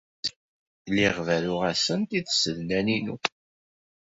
Lliɣ berruɣ-asent i tsednan-inu.